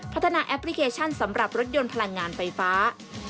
แอปพลิเคชันสำหรับรถยนต์พลังงานไฟฟ้า